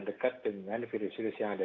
dekat dengan virus virus yang ada